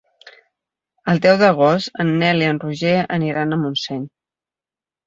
El deu d'agost en Nel i en Roger aniran a Montseny.